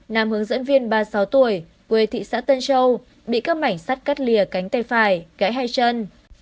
nam hướng dẫn viên ba mươi sáu tuổi quê thị xã tân châu bị các mảnh sắt cắt lìa cánh tay phải gãy hai chân